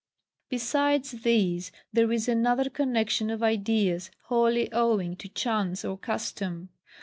Besides this, there is another connexion of ideas wholly owing to CHANCE or CUSTOM.